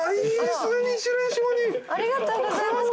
ありがとうございます。